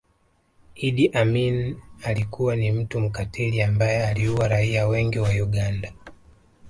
Idi Amin alikuwa ni mtu mkatili ambaye aliua raia wengi wa Uganda